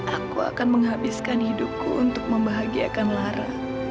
aku akan menghabiskan hidupku untuk membahagiakan lara